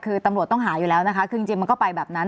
คือตำรวจต้องหาอยู่แล้วนะคะคือจริงมันก็ไปแบบนั้น